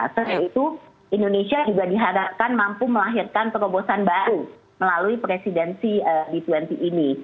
selain itu indonesia juga diharapkan mampu melahirkan terobosan baru melalui presidensi g dua puluh ini